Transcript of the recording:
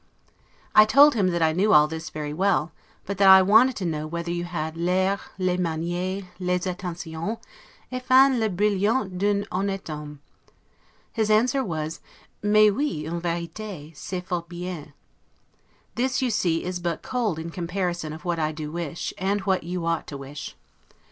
I told him that I knew all this very well; but that I wanted to know whether you had l'air, les manieres, les attentions, en fin le brillant d'un honnete homme': his answer was, 'Mais oui en verite, c'est fort bien'. This, you see, is but cold in comparison of what I do wish, and of what you ought to wish.